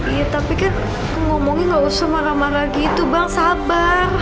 iya tapi kan ngomongin gak usah marah marah gitu bang sabar